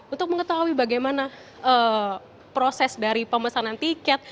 untuk mengetahui bagaimana proses dari pemesanan tiket